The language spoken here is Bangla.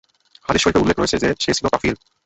হাদীস শরীফে উল্লেখ রয়েছে যে, সে ছিল কাফির।